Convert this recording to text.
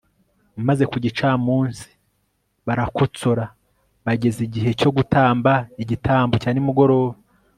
Maze ku gicamunsi barakotsora bageza igihe cyo gutamba igitambo cya nimugoroba